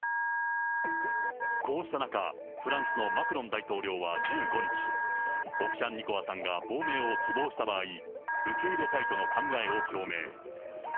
こうした中、フランスのマクロン大統領は１５日、オフシャンニコワさんが亡命を希望した場合、受け入れたいとの考えを表明。